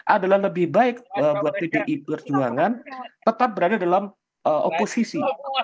adalah lebih baik buat pdi perjuangan tetap berada dalam oposisi